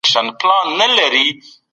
د فرد کلتور د ټولنې اړیکې ټاکي.